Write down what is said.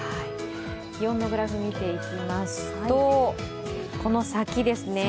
気温のグラフ見ていきますと、この先ですね。